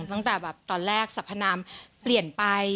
ตั้งแต่แบบตอนแรกสรรพนามเปลี่ยนไป